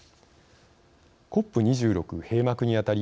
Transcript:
ＣＯＰ２６閉幕にあたり